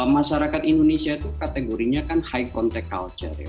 masyarakat indonesia itu kategorinya kan high contact culture ya